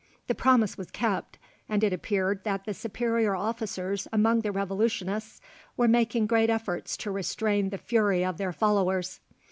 The promise was kept, and it appeared that the superior officers among the Revolutionists were making great efforts to restrain the fury of their followers.